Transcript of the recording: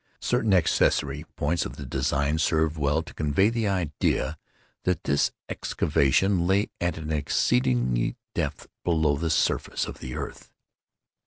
Certain accessory points of the design served well to convey the idea that this excavation lay at an exceeding depth below the surface of the earth.